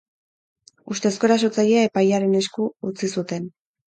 Ustezko erasotzailea epailearen esku utzi zuten.